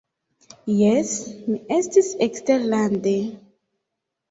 Jes, mi estis eksterlande.